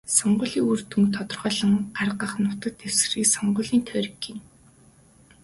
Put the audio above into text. Сонгуулийн үр дүнг тодорхойлон гаргах нутаг дэвсгэрийг сонгуулийн тойрог гэнэ.